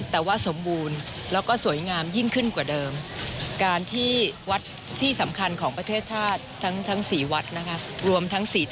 แต่ว่าสมบูรณ์แล้วก็สวยงามยิ่งขึ้นกว่าเดิม